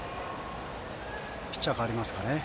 ピッチャー代わりますかね。